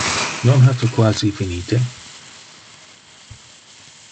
Non ha tu quasi finite?